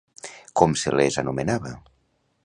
Com se les anomenava?